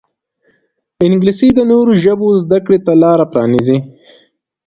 انګلیسي د نورو ژبو زده کړې ته لاره پرانیزي